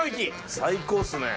最高ですね。